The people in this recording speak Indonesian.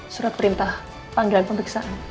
surat perintah panggilan pembicaraan